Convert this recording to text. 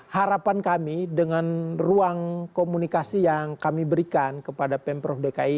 harapan kami dengan ruang komunikasi yang kami berikan kepada pemprov dki